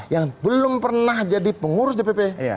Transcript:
yang belum pernah jadi pengurus dpp